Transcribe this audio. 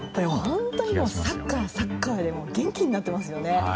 本当にサッカーサッカーで元気になっていますね。